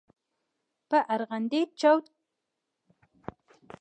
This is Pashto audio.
په ارغندې چوک کښې يې تلاشي کړو.